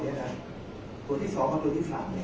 แต่ว่าไม่มีปรากฏว่าถ้าเกิดคนให้ยาที่๓๑